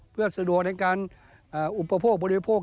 เพื่อสะดวกในการอุปโภคบริโภค